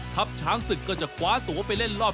ช้างศึกก็จะคว้าตัวไปเล่นรอบ